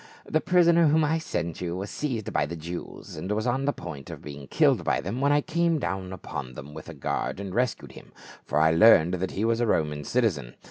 The prisoner whom I send you was seized by the Jews, and was on the point of being killed by them when I came down upon them with a guard and rescued him, for I learned that he was a Roman citizen.